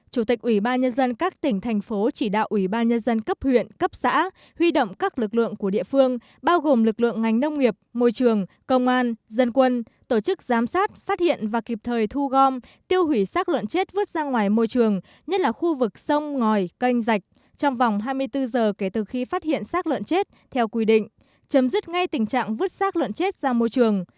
chủ tịch ubnd các tỉnh thành phố chỉ đạo ubnd cấp huyện cấp xã huy động các lực lượng của địa phương bao gồm lực lượng ngành nông nghiệp môi trường công an dân quân tổ chức giám sát phát hiện và kịp thời thu gom tiêu hủy sát lợn chết vứt ra ngoài môi trường nhất là khu vực sông ngòi canh rạch trong vòng hai mươi bốn giờ kể từ khi phát hiện sát lợn chết theo quy định chấm dứt ngay tình trạng vứt sát lợn chết ra môi trường